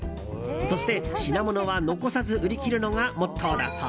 そして、品物は残さず売り切るのがモットーだそう。